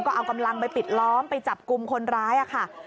ก็เอากำลังไปปิดล้อมไปจับกลุ่มคนร้ายค่ะ